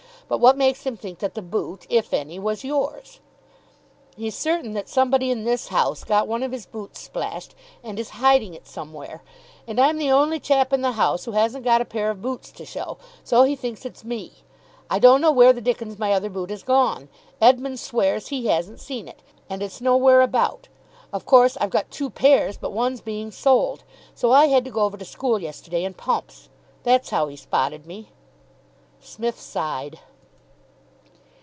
But what makes him think that the boot, if any, was yours?" "He's certain that somebody in this house got one of his boots splashed, and is hiding it somewhere. And I'm the only chap in the house who hasn't got a pair of boots to show, so he thinks it's me. I don't know where the dickens my other boot has gone. Edmund swears he hasn't seen it, and it's nowhere about. Of course I've got two pairs, but one's being soled. So I had to go over to school yesterday in pumps. That's how he spotted me." Psmith sighed.